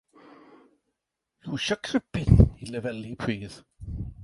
Iwsia'r cribin i lefelu'r pridd.